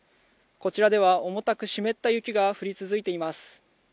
こちらでは重たく湿った雪が降り続いています